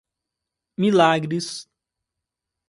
Milagres